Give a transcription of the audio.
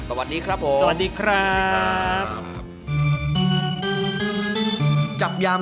สวัสดีครับผม